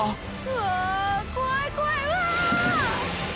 うわ怖い怖いうわ！